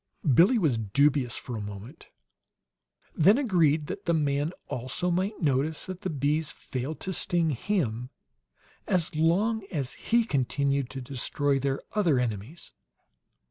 Billie was dubious for a moment; then agreed that the man, also, might notice that the bees failed to sting him as long as he continued to destroy their other enemies.